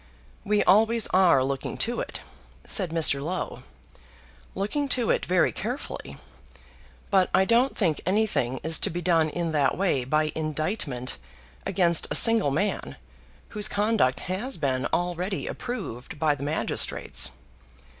"We always are looking to it," said Mr. Low; "looking to it very carefully. But I don't think anything is to be done in that way by indictment against a single man, whose conduct has been already approved by the magistrates.